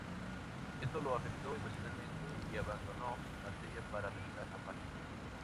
Esto lo afectó emocionalmente y abandonó Marsella para regresar a París.